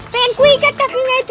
pengen kuikat kakinya itu